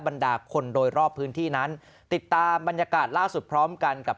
บรรดาคนโดยรอบพื้นที่นั้นติดตามบรรยากาศล่าสุดพร้อมกันกับ